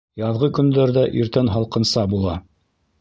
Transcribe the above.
Яҙғы көндәрҙә иртән һалҡынса була.